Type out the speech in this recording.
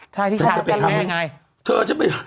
ใช่ที่ชั้นจะรับแม่ไง